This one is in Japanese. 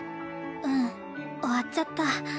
うん終わっちゃった。